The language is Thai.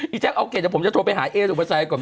อีแจ๊กเอาเกษตรผมจะโทรไปหาเอดูประชายก่อน